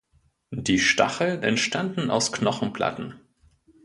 Die Stacheln entstanden aus Knochenplatten.